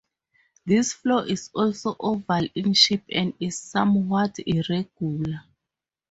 This floor is also oval in shape and is somewhat irregular.